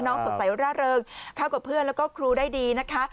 สดใสร่าเริงเข้ากับเพื่อนแล้วก็ครูได้ดีนะคะ